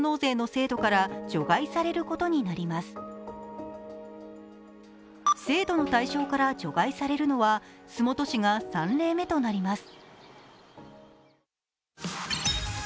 制度の対象から除外されるのは洲本市が３例目となります。